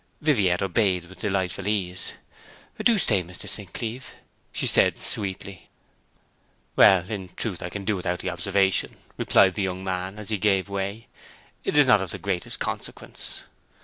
Viviette obeyed with delightful ease. 'Do stay, Mr St. Cleeve!' she said sweetly. 'Well, in truth I can do without the observation,' replied the young man, as he gave way. 'It is not of the greatest consequence.'